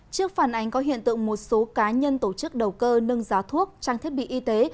trước phản ánh có hiện tượng một số cá nhân tổ chức đầu cơ nâng giá thuốc trang thiết bị y tế